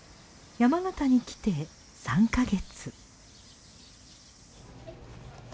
山形に来て３カ月。